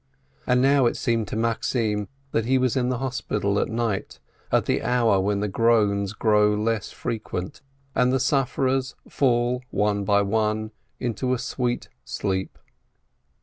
And now it seemed to Maxim that he was in the hospital at night, at the hour when the groans grow less frequent, and the sufferers fall one by one into a sweet sleep.